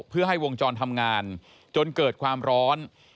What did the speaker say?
เพื่อให้วงจรทำงานจนเกิดความร้อน